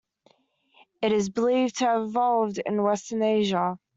It is believed to have evolved in Western Asia.